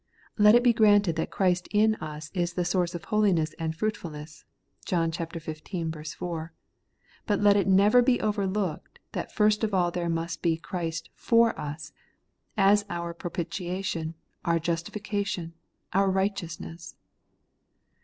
Let it be granted that Christ in us is the source of holiness and fruitfulness (John xv. 4) ; but let it never be overlooked that first of all there must be Christ for us, as our propitiation, our justification, our right eousness.